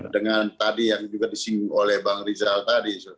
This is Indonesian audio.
dengan tadi yang juga disinggung oleh bang rizal tadi